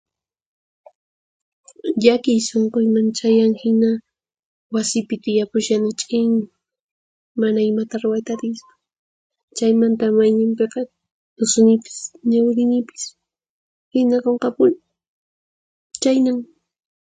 Llakiy sunquyman chayan hina, wasipi tiyapushani ch'in, mana imata ruwayta atispa. Chaymanta mayninpiqa tusunipis ñawirinipis, hina qunqapuni. Chhaynan.